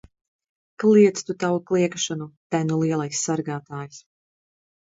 Kliedz tu tavu kliegšanu! Te nu lielais sargātājs!